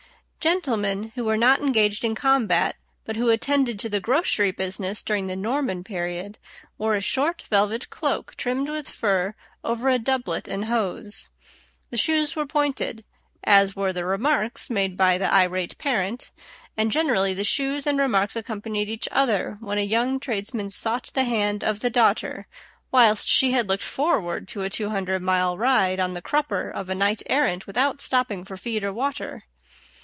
Gentlemen who were not engaged in combat, but who attended to the grocery business during the Norman period, wore a short velvet cloak trimmed with fur over a doublet and hose. The shoes were pointed, as were the remarks made by the irate parent, and generally the shoes and remarks accompanied each other when a young tradesman sought the hand of the daughter, whilst she had looked forward to a two hundred mile ride on the crupper of a knight errant without stopping for feed or water.